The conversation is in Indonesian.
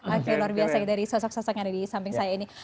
oke luar biasa dari sosok sosok yang ada di samping saya ini